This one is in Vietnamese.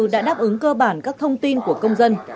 đã đáp ứng cơ bản các thông tin của công dân